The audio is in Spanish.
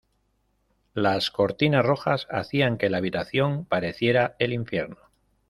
Las cortinas rojas hacían que la habitación pareciera el infierno.